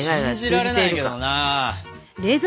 信じられないけどな。